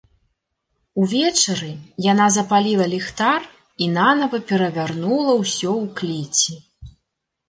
Увечары яна запаліла ліхтар і нанава перавярнула ўсё ў клеці.